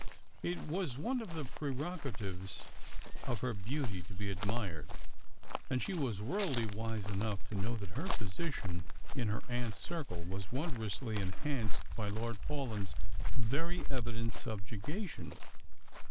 It was one of the prerogatives of her beauty to be admired, and she was worldly wise enough to know that her position in her aunt's circle was wondrously enhanced by Lord Paulyn's very evident subjuga tion.